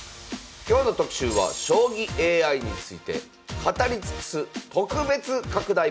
今日の特集は将棋ＡＩについて語り尽くす特別拡大版。